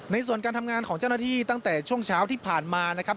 ส่วนการทำงานของเจ้าหน้าที่ตั้งแต่ช่วงเช้าที่ผ่านมานะครับ